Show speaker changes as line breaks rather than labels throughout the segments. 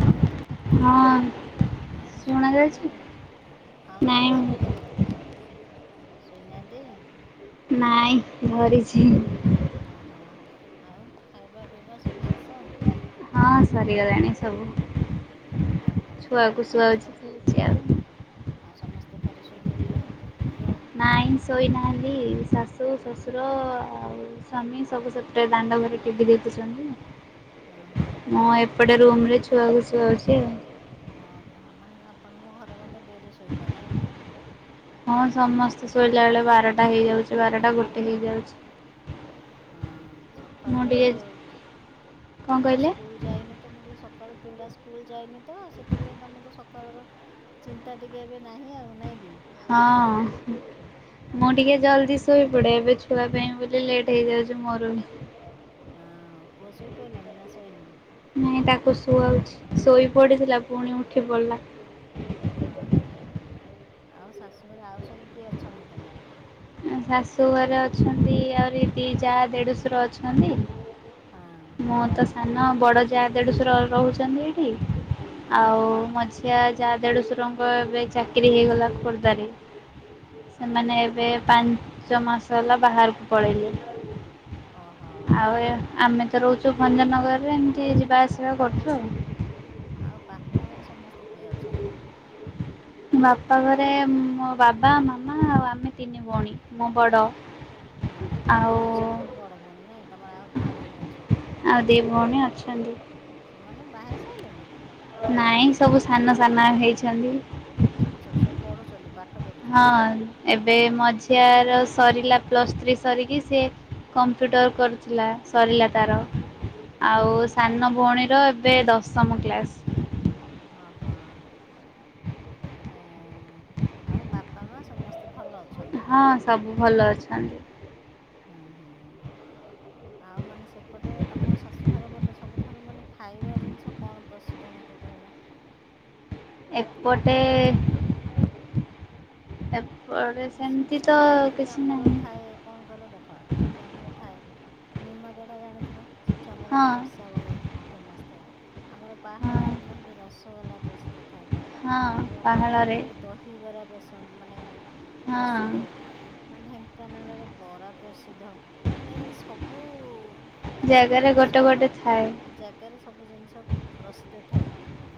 ହା,
ହଁ
ଆଉ ଶୋଇଲଣି?
ଶୁଣାଯାଉଛି?
ହଁ-ହଁ
ନାଇଁ
ଶୁଭୁଛି ଶୁଭୁଛି।
ନାଇଁ ଧରିଛି।
ହଁ ହଁ ଆଉ ଖାଇବା ପିଇବା ସବୁ ଶେଷ?
ହଁ ସରିଗଲାଣି ସବୁ।
ହଁ ହଁ
ଛୁଆକୁ
ଘରେ
ଶୁଆଉଛି
ସମସ୍ତେ
ଶୋଇଛି ଆଉ।
ଆଉ ସମସ୍ତେ ଘରେ ଶୋଇପଡ଼ିଲେଣି?
ନାଇଁ ଶୋଇନାହାନ୍ତି ଶାଶୁ ଶଶୁର ଆଉ ସ୍ୱାମୀ ସବୁ ସେପଟେ ଦାଣ୍ଡ ଘରେ ଟିଭି ଦେଖୁଛନ୍ତି।
ହଁ ହଁ।
ମୁଁ ଏପଟେ ରୁମ ରେ ଛୁଆକୁ ସୁଆଉଛି ଆଉ।
ହଁ ମାନେ ଆପଣଙ୍କ ଘରେ ବୋଧେ ଡେରି ଶୋଇବା ନାଇଁ କି?
ହଁ ସମସ୍ତେ ଶୋଇଲା ବେଳେ ବାରଟା ହେଇଯାଉଛି ବାରଟା ଗୋଟେ ହେଇଯାଉଛି।
ହଁ ସକାଳୁ
ମୁଁ
ଏବେ
ଟିକେ କଣ
ପିଲା
କହିଲେ?
ସ୍କୁଲ ଯାଇନି ତମ କହିଲ ସକାଳୁ ପିଲା ସ୍କୁଲ ଯାଇନି ତ ସେଥିପାଇଁ ତମକୁ ସକାଳର ଚିନ୍ତା ଟିକେ ଏବେ ନାହିଁ ଆଉ ନାଇଁ କି?
ହଁ ମୁଁ
କାରଣ
ଟିକେ
ଆମର ସବୁ
ଜଲଦି
ଛୁ
ଶୋଇପଡେ ଏବେ ଛୁଆ ପାଇଁ ବୋଲି ଲେଟ୍ ହେଇଯାଉଛି ମୋର ବି।
ହଁ ପୁଅ ସୋଇ ପଡିଲାଣି ନା ସୋଇନି?
ନାଇଁ ତାକୁ ଶୁଆଉଛି, ଶୋଇ ପଡିଥିଲା ପୁଣି ଉଠି ପଡିଲା।
ହଁ ହଁ ଆଉ ଶାଶୁ ଘରେ ଆଉ ସବୁ କିଏ ଅଛନ୍ତି ତୁମର?
ଶାଶୁ ଘରେ ଅଛନ୍ତି ଆହୁରି ଦି ଯା ଦେଢଶର ଅଛନ୍ତି।
ହଁ
ମୁଁ ତ ସାନ ବଡ ଯାହା ଦେଢସୁର ରହୁଛନ୍ତି ଏଇଠି।
ହଁ ହଁ।
ମଝିଆ ଯା ଦେଢ଼ସୁର ଙ୍କ ଏବେ ଚାକିରି ହେଇଗଲା ଖୋର୍ଦ୍ଧାରେ।
ହଁ
ସେମାନେ ଏବେ ପାଞ୍ଚ ମାସ ହେଲା ବାହାରକୁ ପଳେଇଲେ
ଓହୋ
ଆଉ ଆମେ ମେତ ରହୁଛୁ ଭଞ୍ଜନଗରରେ ଏମିତି ଯିବା ଆସିବା କରୁଛୁ ଆଉ।
ଆଉ ବାପ ଘରେ ସମସ୍ତେ କିଏ ଅଛନ୍ତି?
ବାପା ଘରେ ମୋ ବାବା ମାମା ଆଉ ଆମେ ତିନି ଭଉଣୀ। ମୁଁ ବଡ
ହଁ ତମେ ସବୁଠାରୁ ବଡ଼ ଭଉଣୀ ନାଇଁ ତମର ଆହୁରି ଦି ଭଉଣୀ ଅଛନ୍ତି।
ଆଉ ଦି ଭଉଣୀ ଅଛନ୍ତି।
ସେମାନେେ ବାହା ହେଇ ସାରିଲେଣି କି?
ନାଇଁ ସବୁ ସାନ ସାନ ହେଇଛନ୍ତି।
ଛୋଟ ଛୋଟ ସବୁ ପଢୁଛନ୍ତି ପାଠ ପଢୁଛନ୍ତି
ହଁ
ନାଇଁ? ହିଁ।
ଏବେ ମଝିଆ ର ସରିଲା ପ୍ଲସ୍ ଥ୍ରୀ ସରିକି ସେ କମ୍ପ୍ୟୁଟର କରୁଥିଲା ସରିଲା ତାର।
ହଁ। ହଁ
ଆଉ ସାନ ଭଉଣୀର ଏବେ ଦଶମ କ୍ଲାସ।
ହଁ ହଁ। ତାହେଲେ ଆଉ ବାପା ମା ସମସ୍ତେ ଭଲ ଅଛ
ହଁ ସବୁ ଭଲ ଅଛନ୍ତି।
ହୁଁ ହୁଁ ଆଉ ମାନେ ସେପଟେ ତମ ଶାଶୁଘର ପଟେ ସବୁଠାରୁ ମାନେ ଖାଇବା ଜିନିଷ କଣ ପ୍ରସିଦ୍ଧ ମୋତେ କହିଲ?
ଏପଟେ ଏ
ମାନେ ଯେମିତିକି ଆମର
ନାହିଁ।
ଥାଏ କଣ କହିଲ ଦେଖ ଯେମିତି ଆମର ଥାଏ ନିମାପଡ଼ା ଜାଣିଥିବ ସେଠି ଆମର
ହଁ
ଗୋଟେ ରଷ ଗଲ ଫେମସ୍ ଥାଏ ଆମର
ହଁ
ପାହାଳ ଜଣି [unintelligible] ରସଗୋଲା ପ୍ରସିଦ୍ଧ ଥାଏ
ହଁ
ଆମର
ପାହାଳରେ
କଟକରେ ଦହି ବରା ପସନ୍ଦ ମାନେ
ହଁ
ପ୍ରସିଦ୍ଧ। ମାନେ ଢେଙ୍କାନାଳରେ ବରା ପ୍ରସିଦ୍ଧ। ମାନେ ଏମିତି ସବୁ ଗାଁ
ଜାଗାରେ
ମାନେ
ଗୋଟେ
ସହର
ଗୋଟେ ଥାଏ।
ଜାଗାରେ ସବୁ ଜିନିଷ ପ୍ରସିଦ୍ଧ ଥାଏ।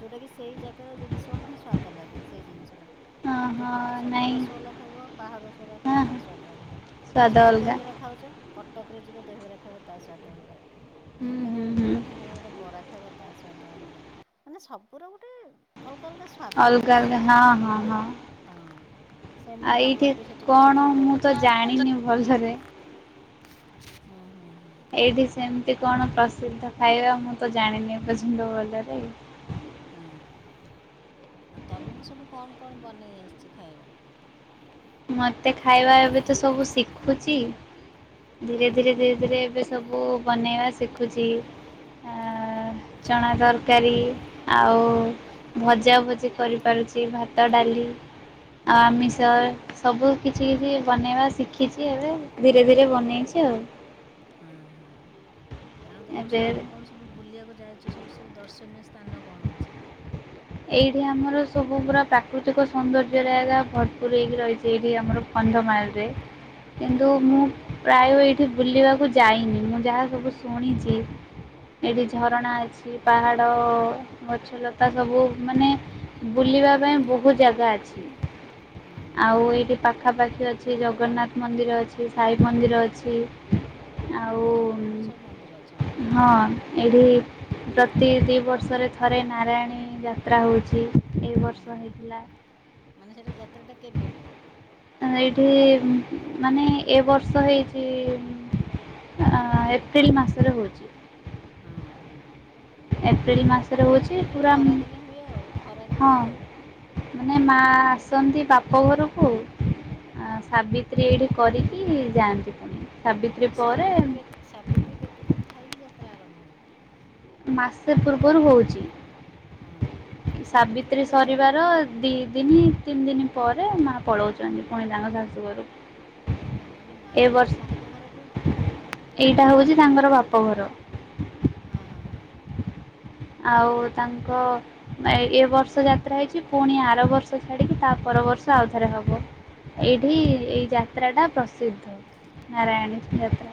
ଯୋଉଟା କିି ସେଇ ଜାଗାର ଜିନିଷ ହିଁ ସ୍ଵାଦ ଲାଗେ ସେଇ ଜିନିଷଟା
ହଁ ହଁ
ଦେଖ ସବୁଠୁ
ନାଇଁ
ରସଗଲା ଖାଇବ ପାହାଡ଼ ରସଗୋଲା
ହଁ
ଖାଇବ ତାର ସ୍ୱାଦ ଅଲଗା
ସ୍ୱାଦ
ସବୁଠୁ
ଅଲଗା।
ଦହିବରା ଖାଉଚ କଟକରେ ଯିବ ଦହିବରା ଖାଇବା ତା ସ୍ୱାଦ ଅଲଗା
ହୁଁ ହୁଁ
ଢେଙ୍କାନାଳକୁ
ହୁଁ
ଯିବ ଢେଙ୍କାନାଳରେ ବରା ଖାଇବା ତା ସ୍ୱାଦ ଅଲଗା ମାନେ ସବୁର ଗୋଟେ ଅଲଗା ଅଲଗା ସ୍ୱା ସ୍ୱାଦ
ଅଲଗା
ଥାଏ
ଅଲଗା ହଁ ହଁ ହଁ ଆଉ
ହଁ। ସେମିତି
ଏଇଠି
ତମର ବି ସେଠି କିଛି
କଣ
ଥିବ।
ମୁଁ ତ ଜାଣିନି ଭଲରେ
[unintelligible] ହୁଁ ହୁଁ ହୁଁ।
ଏଇଠି ସେମିତି କଣ ପ୍ରସିଦ୍ଧ ଖାଇବା ମୁଁ ତ ଜାଣିନି ବୁଝିଲ ଭଲରେ।
ହଁ ଆଉ ତମକୁ ସବୁ କଣ କଣ ବନେଇ ଆସିଛି ଖାଇବା?
ମତେ ଖାଇବା ଏବେ ତ ସବୁ ଶିଖୁଛି। ଧୀରେ
ହଁ
ଧୀରେ ଧୀରେ ଧୀରେ ଏବେ ସବୁ ବନେଇବା ଶିଖୁଛି ଆଉ ଚଣାତର କାରୀ ଆଉ ଭଜା ଭଜି କରିପାରୁଛି ଭାତ, ଡାଲି ଆଉ
ହୁଁ
ଆମିଷ। ତ କିଛି କିଛି ବନେଇବା ଶିଖିଛି ଏବେ।
ଧୀରେ ଧୀରେ ବନେଇ ହଁ ହଁ ଆଉ ତମର
ଏବେ
ସେଠି ଯୋଉ ସବୁ ବୁଲିବାକୁ ଯାଉଛ ସେଇଠି ସବୁ ଦର୍ଶନୀୟ ସ୍ଥାନ କଣ ଅଛି?
ଏଇଠି ଆମର ସବୁ ପୁରା ପା ପ୍ରାକୃତିକ ସୌନ୍ଦର୍ଯ୍ୟ ଜାଗା ଭରପୁର ହେଇକି ରହିଛି ଏଇଠି ଆମର କନ୍ଧମାଳରେ। କିନ୍ତୁ
ହଁ
ମୁଁ ପ୍ରାୟ ଏଇଠି ବୁଲିବାକୁ ଯାଇନି ମୁଁ ଯାହା ସବୁ ଶୁଣିଛି ଏଠି ଝରଣା
ହଁ।
ଅଛି ପାହାଡ଼ ଗଛ ଲତା ସବୁ ମାନେ ବୁଲିବା ପାଇଁ ବହୁତ ଜାଗା ଅଛି
ହୁଁ
ଆଉ
ହୁଁ
ଏଠି ପାଖାପାଖି ଅଛି ଜଗନ୍ନାଥ ମନ୍ଦିର ଅଛି, ସାଇ ମନ୍ଦିର ଅଛି। ଆଉ
ଠାକୁରଙ୍କର ସବୁ ମନ୍ଦିର ଅଛନ୍ତି ନାଇଁ
ହଁ ଏଠି ପ୍ରତି ଦି ବର୍ଷରେ ଥରେ ନାରାୟଣୀ ଯାତ୍ରା ହଉଛି।
ହୁଁ ମାନେ ସେଇଟା ଯାତ୍ରା ଟା କେବେ ହୁଏ?
ଏଇଠି ମାନେ ଏ ବର୍ଷ ହେଇଛି ଅ ଏପ୍ରିଲ ମାସରେ ହଉଛି।
ହଁ ହଁ ହଁ।
ଏପ୍ରିଲ ମାସ
ମାନେ ଏଇ ଯଉ ଖରା ଦିନେ ହୁଏ ଆଉ ଖରା
ହଁ
ଦିନଟା ଆଉ।
ମାନେ ମା
ନାଇଁ କି?
ଆସନ୍ତି ବାପ ଘରକୁ। ଆ
ହଁ।
ସାବିତ୍ରୀ ଏଇଠି କରିକି ଯାଆନ୍ତି ପୁଣି ସାବିତ୍ରୀ
ମାନେ
ପରେ
ସାବିତ୍ରୀ କେ ସାବିତ୍ରୀ କେତେ ଦିନ ଥାଇକି ଯାତ୍ରା ଆରମ୍ଭ ହୁଏ।
ମାସେ ପୂର୍ବରୁ ହଉ
ହଁ ମାନେ ସାବିତ୍ରୀ କି ଶେଷ।
ଦି ଦିନି ତିନି ଦିନ ପରେ ମା ପଳାଉଛନ୍ତି ପୁଣି ତାଙ୍କ ଶାଶୁଘରୁ।
ଓହୋ ମାନେ ମାଆଙ୍କର ବାପ ଘର କୋଉଠି?
ଏଇଟା ହଉଛି ତାଙ୍କର ବାପଘର।
ହଁ ହଁ ହଁ।
ଆଉ ତାଙ୍କ ଏ ବର୍ଷ ଯାତ୍ରା ହେଇଛି ପୁଣି ଆର ବର୍ଷ ଛାଡିକି ତା ପର ବର୍ଷ ଆଉଥରେ ହବ। ଏଇଠି
ହଁ ହଁ।
ଏଇ ଯାତ୍ରା ଟା ପ୍ରସିଦ୍ଧ ନାରାୟଣୀ ଯାତ୍ରା।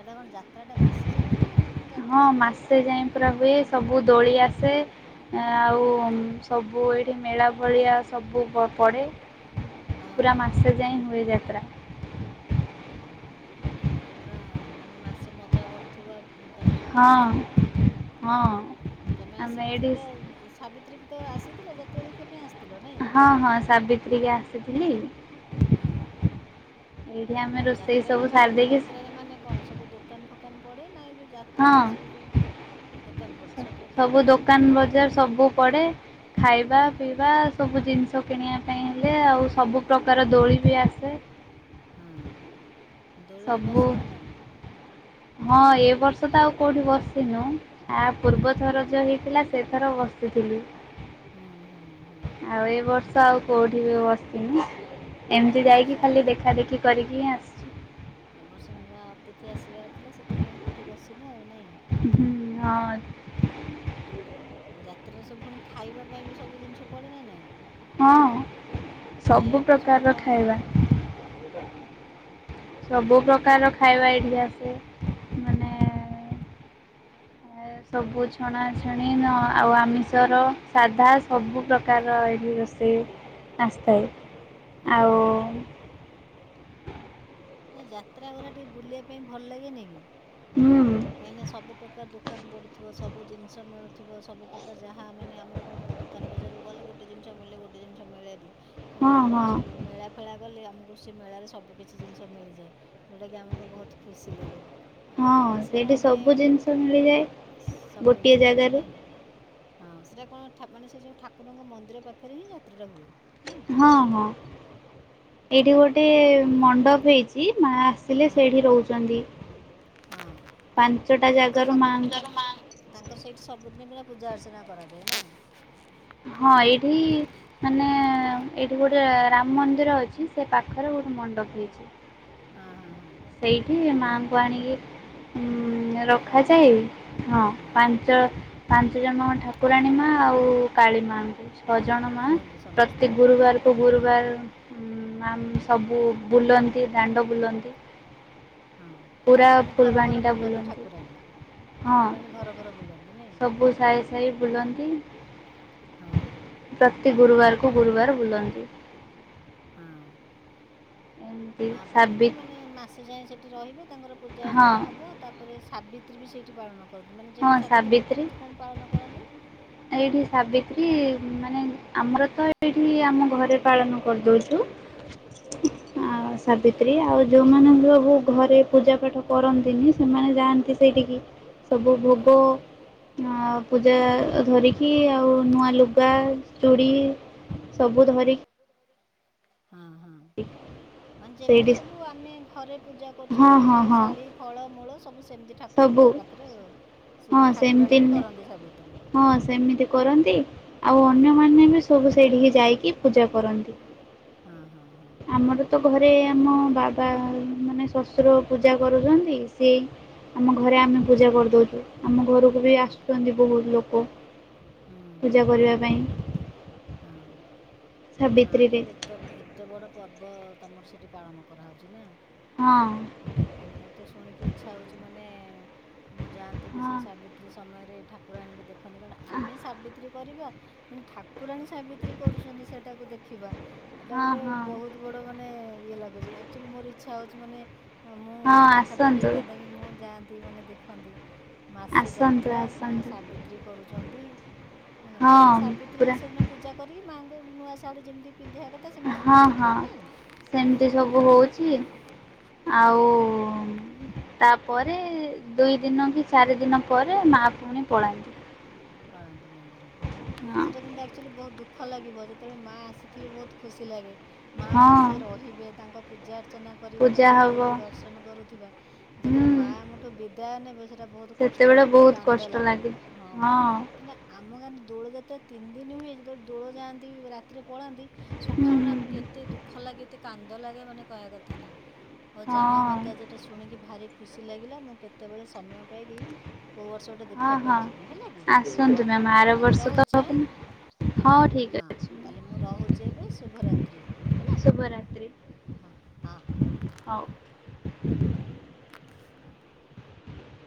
ହେଟା କଣ ଯାତ୍ରା ଟା ମାସେ ଯାଏ ହୁଏ ନା ମାନେ ଯାତ୍ରା
ହଁ
ସେମିତି
ମାସେ ଯାଏ ପୁରା ହୁଏ। ସବୁ ଦୋଳି ଆସେ ଆଉ ସବୁ ଏଇଠି ମେଳା ଏ ଭଳିଆ ସବୁ ପ ପଡ଼େ
ହଁ ହଁ
ପୁରା
ହଁ
ମାସେ
ହଁ
ଯାଏ ହୁଏ ଯାତ୍ରା।
ଆରେ ବା ତାହେଲେ ପୁରା ମାନେ ମାସେ ମଜା କରୁଥିବ। ତମେ ସବୁ ଆଉ
ହଁ
ନାଇଁ, ହଁ ତମେ
ଆମେ
ଆସିକି
ଏଇଠି
ଥିଲ ସାବିତ୍ରୀ ତ ଆସିଥିଲେ ଯାତ୍ରା ଦେଖିବା ପାଇଁ ଆସି
ହଁ ହଁ ସାବିତ୍ରୀ କି ଆସିଥିଲି।
ହଁ।
ଏଇଆ।
ଯାତ୍ରାରେ ମା ଯାତ୍ରାରେ ମାନେ କଣ ସବୁ ଦୋକାନ ଫୋକାନ ପଡେ ନା ଏ ଯୋଉ ଯାତ୍ରା
ହଁ
ସବୁ ଯୋଉ ଦୋକାନ ପଡ଼େ ପ୍ରକାର
ସବୁ
ପଡ଼େ
ଦୋକାନ
ନାଇଁ
ବଜାର ସବୁ ପଡେ ଖାଇବା
ହଁ।
ପିଇବା ସବୁ ଜିନିଷ କିଣିବା ପାଇଁ ହେଲେ ଆଉ ସବୁ ପ୍ର୍ରକାର ଦୋଳି ବି ଆସେ।
ହଁ ଦୋଳିରେ
ସବୁ
ବସ ନା ନାଇଁ?
ହଁ ଏ ବର୍ଷ ତ ଆଉ କୋଉଠି ବସିନୁ, ଆ ପୂର୍ବ
ହଁ।
ଥର ଯୋଉ ହେଇଥିଲା। ଏଥର ବସିଥିଲି।
ହୁଁ ହୁଁ ହୁଁ
ଆଉ ଏ ବର୍ଷ ଆଉ କୋଉଠି ବି ବସିନି।
ଆ
ଏମିତି
ଏ ବର୍ଷ
ଯାଇକି ଖାଲି ଦେଖା ଦେଖି କରିକି ହିଁ ଆସ
ଏ ବର୍ଷ ନୂଆ ଅତିଥି ଆସିବାର ଥିଲା ସେଥିପାଇଁ କୋଉଁଠି ବସିନା ଆଉ ନାଇଁ।
ହଁ।
ଯାତ୍ରାରେ ସବୁ ପୁଣି ଖାଇବା ପାଇଁ ବି ସବୁ ଜିନିଷ ପଡେ ନା ନାଇଁ।
ହଁ
ଖାଇବା
ସବୁ
ପାଇଁ
ପ୍ରକାରର
କଣ କଣ
ଖାଇବା।
ପଡ଼େ
ସବୁ ପ୍ରକାର ଖାଇବା ଏଇଠି ଆସେ। ମାନେ ସବୁ ଛଣାଛଣି ନ ଆଉ ଆମେ। [inaudible] ସାଧା ସବୁ ପ୍ରକାରର ଏଠି ରୋଷେଇ ଆସିଥାଏ।
ହଁ
ଆଉ।
ହଁ। ନାଇ ଯାତ୍ରା ଗୁଡା ଟିକେ ବୁଲିବା ପାଇଁ ଭଲ ଲାଗେ ନି କି?
ହୁଁ।
କାହିଁନା ସବୁ ପ୍ରକାର ଦୋକାନ ବଢୁଥିବ ସବୁ ଜିନିଷ ମିଳୁଥିବ ସବୁ ପ୍ରକାର ଯାହା ମାନେ ଆମର କଣ ଦୋକାନ ବଜାରକୁ ଗଲେ ଗୋଟେ ଜିନିଷ ମିଳେ ଗୋଟେ ଜିନିଷ ମିଳେନି
ହଁ
କିନ୍ତୁ ଆମେ
ହଁ
କୌଣସି ମେଳା ଖେଳା ଗଲେ ଆମକୁ ସେ ମେଳାରେ ସବୁ କିିଛି ଜିନିଷ ମିଳିଯାଏ। ଯେଉଁଟାକି ଆମକୁ ବହୁତ ଖୁସି ଲାଗେ
ହଁ
ଏବେ ସିନା
ସେଇଠି
ଆମେ
ସବୁ ଜିନିଷ ମିଳିଯାଏ
ସବୁ
ଗୋଟିଏ
ଜିନିଷ ମିଳେ
ଜାଗାରେ
ନାଇଁ। ହଁ ସେଟା କଣ ମାନେ ସେ ଯୋଉ ଠାକୁରଙ୍କ ମନ୍ଦିର ପାଖରେ ହିଁ ଯାତ୍ରାଟା ହୁଏ। ନାଇଁ
ହଁ ହଁ। ଏଇଠି ଗୋଟେ ମଣ୍ଡପ ହେଇଛି ମା ଆସିଲେ
ହଁ
ସେଇଠି ରହୁଛନ୍ତି।
ହଁ।
ପାଞ୍ଚଟା
ତାଙ୍କର
ଜାଗାରୁ
ସବୁ
ମାଙ୍କୁ
ତାଙ୍କ ତାଙ୍କର ସେଇଠି ସବୁଦିନ ପ ପୂଜା ଅର୍ଚ୍ଚନା କରାଯାଏ ନାଇଁ?
ହଁ ଏଇଠି ମାନେ ଏଇଠି ଗୋଟେ ରାମ ମନ୍ଦିର ଅଛି ସେ ପାଖରେ ଗୋଟେ ମଣ୍ଡପ ହେଇଛି।
ହଁ, ହଁ, ହଁ।
ସେଇଠି ମାଆଙ୍କୁ ଆଣିକି ରଖାଯାଏ ହଁ ପାଞ୍ଚ ପାଞ୍ଚ ଜଣ ମା ଠାକୁରାଣୀ ମା ଆଉ, କାଳିମା ନଜଣ
ହଁ
ମା
ରୁହନ୍ତି ସମସ୍ତେ
ପ୍ରତ୍ୟକ
ହଁ
ଗୁରୁବାରକୁ
ହଁ
ଗୁରୁବାର ମାମ୍ ସବୁ ବୁଲନ୍ତି ଦାଣ୍ଡ ବୁଲନ୍ତି।
ହଁ
ପୁରା
ମାନେ ଘର ଘର
ଫୁଲବାଣୀଟା
ବୁଲନ୍ତି ଠାକୁରାଣୀ?
ହଁ
ଠାକୁରାଣୀ ଘର ଘର ବୁଲନ୍ତି ନାଇ?
ସବୁ ସାହି ସାହି ବୁଲନ୍ତି
ହଁ।
ପ୍ରତି ଗୁରୁବାରକୁ ଗୁରୁବାର ବୁଲନ୍ତି।
ହଁ।
ଏମିତି
ମା
ସାବି
ବୁଲିକି ମାନେ ମାସେ ଯାଏଁ ସେଠି ରହିବେ ତାଙ୍କର ପୂଜା
ହଁ
ଅର୍ଚ୍ଚନା ହେବ। ତାପରେ ସାବିତ୍ରୀ ବି ସେଇଠି ପାଳନ କରନ୍ତି। ମାନେ ଯେମିତି ସାବିତ୍ରୀ ଟା କେମିତି କଣ ପାଳନ କରନ୍ତି?
ଏଇଠି ସାବିତ୍ରୀ, ମାନେ ଆମର ତ ଏଇଠି ଆମ ଘରେ ପାଳନ କରିଦଉଛୁ।
[unintelligible] ହଁ
[inaudible] ଆଉ ସାବିତ୍ରୀ ଆଉ ଯେଉଁମାନେ ସବୁ ଘରେ ପୂଜା ପାାଠ କରନ୍ତିନି ସେମାନେ ଯାଆନ୍ତି ସେଇଠିକି। ସବୁ
ହଁ
ଭୋଗ
ହଁ
ଅ ପୂଜା। ଧରିକି ଆଉ ନୂଆ ଲୁଗା ଚୁଡ଼ି ସବୁ ଧରି
ହଁ ହଁ। ମାନେ ଯେମିତି
ସେଇଠି
ସବୁ ଆମେ ଘରେ ପୂଜା କରୁଛେ
ହଁ ହଁ
ଚୁଡି,
ହଁ
ଶାଢୀ। ଫଳମୂଳ ସବୁ ସେମିତି
ସବୁ
ଠାକୁରଙ୍କ ପାଖରେ ସିଏ
ହଁ
ବି
ସେମିତି
ଠାକୁରାଣୀ ବି କରନ୍ତି ସାବିତ୍ରୀ।
ହଁ ସେମିତି କରନ୍ତି ଆଉ ଅନ୍ୟମାନେ ବି ସବୁ ସେଇଡି କି ଯାଇକି ପୂଜା କରନ୍ତି।
ହଁ ହଁ। ହଁ ହଁ
ଆମର ତ ଘରେ ଆମ ବାବା ମାନେ ଶଶ ଶଶୁର ପୂଜା କରୁଛନ୍ତି ସେ ଆମ
ହଁ
ଘରେ ଆମେ ପୂଜା କରିଦଉଛୁ ଆମ ଘରକୁ ବି
ହଁ
ଆସୁଛନ୍ତି। ବହୁତ ଲୋକ
ହୁଁ
ପୂଜା କରିବା ପାଇଁ।
ହଁ ତାହେଲେ
ସାବିତ୍ରୀରେ
ମାଙ୍କର ଏ ଏତେ ଏତେ ବଡ଼ ପର୍ବ ତମର ସେଠି ପାଳନ କରାହେଉଛି ନା।
ହଁ।
ଆଉ ମୁଁ ତ ଶୁଣିକି ଇଚ୍ଛା ହଉଛି ମାନେ ମୁଁ ଯାଆନ୍ତି କି
ହଁ
ସେଇ ସା ତ୍ରୀ ସମୟରେ ଠାକୁର ଆଣିକି ଦେଖନ୍ତି କାରଣ ଆମେ ସାବିତ୍ରୀ କରିବା ପୁଣି ଠାକୁ କୁରାଣୀ ସାବିତ୍ରୀ କରୁଛନ୍ତି ସେଇଟାକୁ ଦେଖିବା ଏଇଟା
ହଁ
ଗୋଟେ
ହଁ ହଁ
ବହୁତ। ବଡ ମାନେ ଇଏ ଲାଗୁଚି ଆକଚୁଆଲି ମୋର ଇଛା ହଉଛି ମାନେ ଆଉ ମୁଁ ପାଖାପାଖି
ଆସନ୍ତୁ
ହେଇଥାନ୍ତା କି ମୁଁ ଯାଆନ୍ତି ମାନେ ଦେଖନ୍ତି। ମାସେ
ଆସନ୍ତୁ
ଯାତ୍ରା ମା
ଆସନ୍ତୁ
ସାବିତ୍ରୀ କରୁଛନ୍ତି ହେଲା ପୁଣି
ହଁ
ସାବିତ୍ରୀ।
ପୁରା
ସେଦିନ ପୂଜା କରି ମାଆଙ୍କୁ ନୂଆ ଶାଢ଼ୀ ଯେମିତି ପିନ୍ଧିବା କଥା ସେମିତି
ହଁ ହଁ
ପିନ୍ଧଉଥିବେ ନାଇଁ
ସେମିତି ସବୁ
ହଁ
ହଉଛି। ଆଉ। ତାପରେ ଦୁଇ ଦିନ କି ଚାରି ଦିନ ପରେ ମାଆ ପୁଣି ପଳାନ୍ତି।
ପଳାନ୍ତି ମନ୍ଦିରକୁ ନା।
ହଁ
ସେଇଟା କିନ୍ତୁ ଆକ୍ଚୁଆଲି ବହୁତ ଦୁଃଖ ଲାଗିବ ଯେତେବେଳେ ମାଆ ଆସିଥିବେ ବହୁତ ଖୁସି ଲାଗେ। ମା
ହଁ
ମାସେ ରହିବେ ତାଙ୍କ ପୂଜା ଅର୍ଚ୍ଚନା କରିବା
ପୂଜା
ତାଙ୍କର
ହବ
ଡେଲି ଦର୍ଶନ କରୁଥିବା।
ହୁଁ
ମାଆ ଆମଠୁ ବିଦାୟ ନେବେ ସେଇଟା ବହୁତ କଷ୍ଟ
ସେତେବେଳେ
ଲାଗିବ
ବହୁତ
କାନ୍ଦ
କଷ୍ଟ
ଲାଗିବ
ଲାଗେ
ହଁ। ହେ ନା ଆମ ଗାଁରେ ଦୋଳ ଯାତ୍ରା ତିନି ଦିନ ହୁଏ ଯେତେବେଳେ ଦୋଳ ଯାଆନ୍ତି ରାତିରେ ପଳାନ୍ତି।
ହୁଁ
ସଖାଳୁ ନା
ହୁଁ
ଆମକୁ
ହୁଁ
ଏତେ ଦୁଃଖ ଲାଗେ ଏତେ କାନ୍ଦ ଲାଗେ ମାନେ କହିବା କଥା ନୁହେଁ। ହଉ ଯାହା ହଉ
ହଁ
ମୋତେ ଆଜି ଏଇଟା ଶୁଣିକି ଭାରି ଖୁସି ଲାଗିଲା ମୁଁ କେତେବେଳେ ସମୟ ପାଇକି। କୋଉ ବର୍ଷ ଗୋଟେ
ହଁ
ଦେଖବା
ହଁ
ପାଇଁ ଯିବି ହେଲା ଗି ହ
ଆସନ୍ତୁ ମ୍ୟାମ୍
ହଉ
ଆର
ତାହଲେ
ବର୍ଷ ତ
ରହୁଛି ଆଁ।
ହବନି ଠିକ୍
ହଁ
ଅଛି
ତାହେଲେ ମୁଁ ରହୁଛି ଏବେ ଶୁଭରାତ୍ରି ହେଲା।
ଶୁଭରାତ୍ରି।
ହ ହଁ ହଁ।
ହଉ।